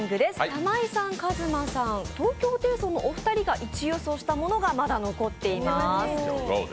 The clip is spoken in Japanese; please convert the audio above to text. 玉井さん、ＫＡＺＭＡさん、東京ホテイソンのお二人が１位予想したものがまだ残っています。